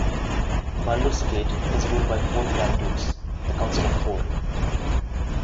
Baldur's Gate is ruled by four grand dukes, the Council of Four.